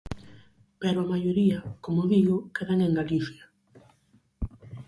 Pero a maioría, como digo, quedan en Galicia.